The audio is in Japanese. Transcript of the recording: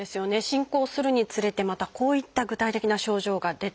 進行するにつれてまたこういった具体的な症状が出てきます。